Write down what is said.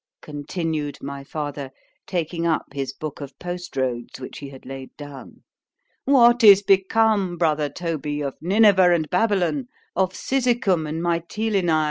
_"—continued my father, taking up his book of post roads, which he had laid down.—"What is become, brother Toby, of Nineveh and Babylon, of Cizicum and _Mitylenæ?